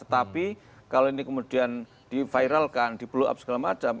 tetapi kalau ini kemudian diviralkan di blow up segala macam